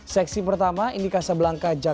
seksi pertama indikasa belangka jakarta